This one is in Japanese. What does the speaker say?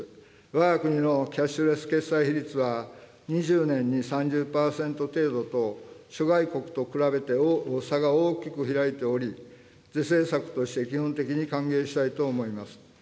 わが国のキャッシュレス決済比率は２０年に３０％程度と、諸外国と比べて差が大きく開いており、是正策として基本的に歓迎したいと思います。